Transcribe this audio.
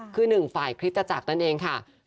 คือ๑ฝ่ายกฤษจรรย์จักรนั่นเองค่ะ